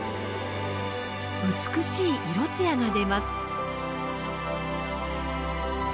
美しい色艶が出ます。